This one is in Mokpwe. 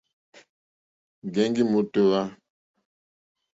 Ŋgεŋgi mòtohwa.